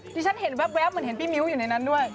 ที่ฉันเห็นแว๊บมันเห็นพี่มิ้วอยู่ในนั้นด้วย